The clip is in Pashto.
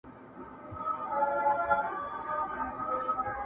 هر سړي ته خدای ورکړی خپل کمال دی؛